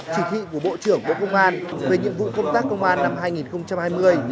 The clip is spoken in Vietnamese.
chỉ thị của bộ trưởng bộ công an về nhiệm vụ công tác công an năm hai nghìn hai mươi